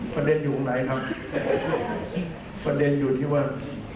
ประเด็นอยู่ตรงไหนครับประเด็นอยู่ที่ว่า